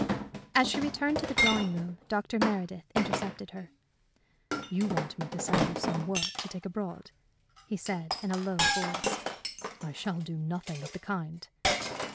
As she returned to the drawing room, Dr. Meredith intercepted her. "You want me to send you some work to take abroad?" he said, in a low voice. "I shall do nothing of the kind."